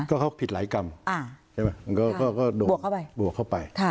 ก็เขาผิดหลายกรรมก็บวกเข้าไป